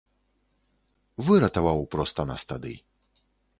Выратаваў проста нас тады.